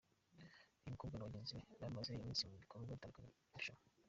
Uyu mukobwa na bagenzi be bamaze iminsi mu bikorwa bitandukanye by’irushanwa.